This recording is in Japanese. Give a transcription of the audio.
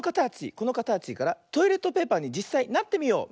このかたちからトイレットペーパーにじっさいなってみよう。